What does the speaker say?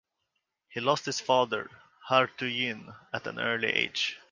He lost his father, Harutyun, at an early age.